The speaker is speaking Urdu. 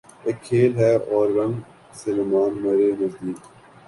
اک کھیل ہے اورنگ سلیماں مرے نزدیک